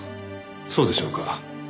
そうでしょうか？